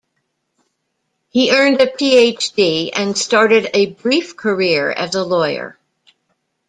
He earned a Ph.D. and started a brief career as a lawyer.